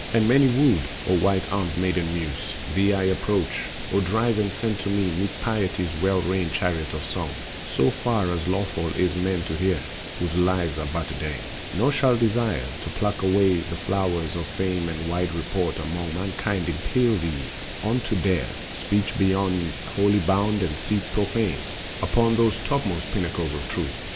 And many wooed, O white armed Maiden Muse, Thee I approach: O drive and send to me Meek Piety's well reined chariot of song, So far as lawful is for men to hear, Whose lives are but a day. Nor shall desire To pluck the flowers of fame and wide report Among mankind impel thee on to dare Speech beyond holy bound and seat profane Upon those topmost pinnacles of Truth.